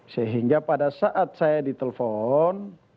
sehingga pada saat saya ditelepon